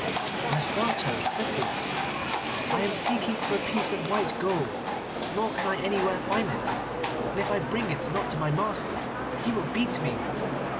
And the Star Child said to it, 'I am seeking for a piece of white gold, nor can I anywhere find it, and if I bring it not to my master he will beat me.